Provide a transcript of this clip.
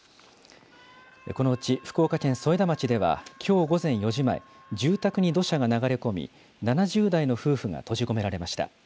このうち福岡県添田町ではきょう午前４時前、住宅に土砂が流れ込み、７０代の夫婦が閉じ込められました。